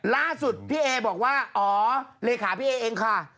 ล่าสุดพี่เอบอกว่าอ๋อเลขาพี่เอเองค่ะ